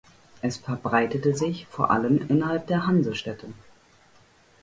Es verbreitete sich vor allem innerhalb der Hansestädte.